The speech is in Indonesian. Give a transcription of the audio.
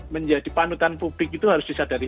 menjadi panutan publik itu harus disadari